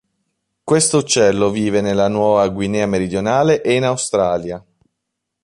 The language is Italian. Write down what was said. Questo uccello vive nella Nuova Guinea meridionale e in Australia.